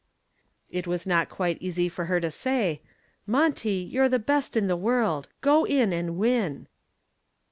It was not quite easy for her to say, "Monty, you are the best in the world. Go in and win."